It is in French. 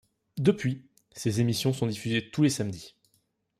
Depuis, ces émissions sont diffusées tous les samedis.